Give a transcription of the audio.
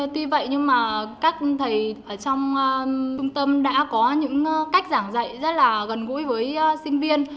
tuy vậy các thầy trong trung tâm đã có những cách giảng dạy rất là gần gũi với sinh viên